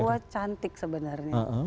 tanah papua cantik sebenarnya